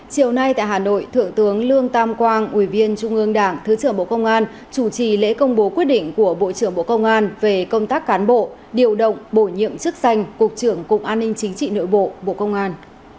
chiều nay tại hà nội thượng tướng lương tam quang ủy viên trung ương đảng thứ trưởng bộ công an chủ trì lễ công bố quyết định của bộ trưởng bộ công an về công tác cán bộ điều động bổ nhiệm chức danh cục trưởng cục an ninh chính trị nội bộ bộ công an